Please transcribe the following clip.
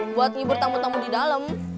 buat libur tamu tamu di dalam